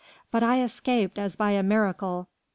But I escaped as by a miracle!